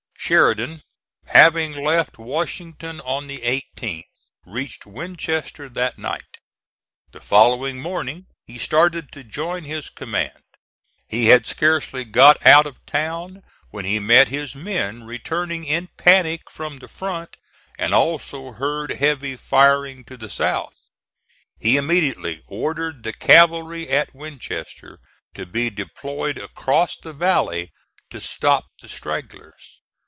Sheridan having left Washington on the 18th, reached Winchester that night. The following morning he started to join his command. He had scarcely got out of town, when he met his men returning in panic from the front and also heard heavy firing to the south. He immediately ordered the cavalry at Winchester to be deployed across the valley to stop the stragglers.